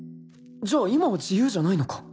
じゃあ今は自由じゃないのか？